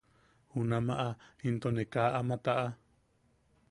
Junamaʼa into ne kaa ama taʼa.